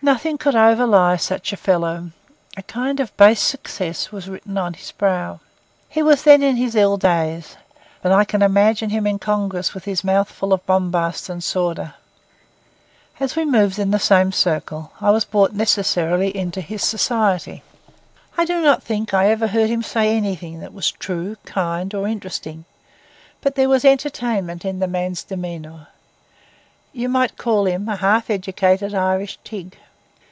Nothing could overlie such a fellow; a kind of base success was written on his brow. He was then in his ill days; but I can imagine him in Congress with his mouth full of bombast and sawder. As we moved in the same circle, I was brought necessarily into his society. I do not think I ever heard him say anything that was true, kind, or interesting; but there was entertainment in the man's demeanour. You might call him a half educated Irish Tigg.